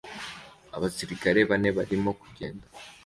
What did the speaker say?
Abasirikare bane barimo kugenda